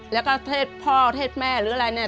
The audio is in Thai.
แล้วก็เทศพ่อเทศแม่หรืออะไรเนี่ย